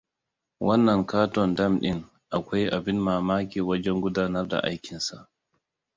Wannan ƙaton dam ɗin akwai abin mamaki wajen gudanar da aikinsa.